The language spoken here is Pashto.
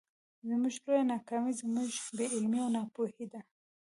زموږ لويه ناکامي زموږ بې علمي او ناپوهي ده.